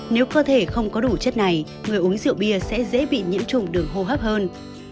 nếu cơ thể không có đủ chất này người uống rượu bia sẽ dễ bị nhiễm trùng đường hô hấp hơn